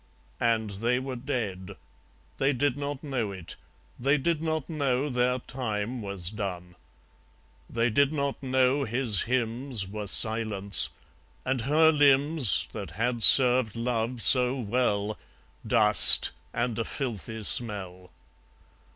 And they were dead. They did not know it. They did not know their time was done. They did not know his hymns Were silence; and her limbs, That had served Love so well, Dust, and a filthy smell.